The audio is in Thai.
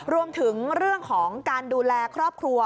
รวมถึงเรื่องของการดูแลครอบครัว